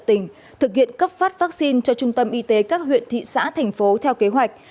tỉnh thực hiện cấp phát vaccine cho trung tâm y tế các huyện thị xã thành phố theo kế hoạch